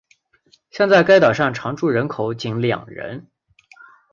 现在该岛上常住人口仅两人。